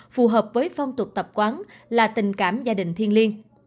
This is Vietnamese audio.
phù hợp với phong tục tập quán là tình cảm gia đình thiên liên